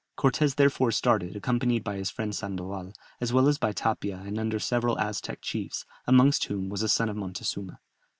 Cortès therefore started accompanied by his friend Sandoval, as well as by Tapia und several Aztec chiefs, amongst whom was a son of Montezuma.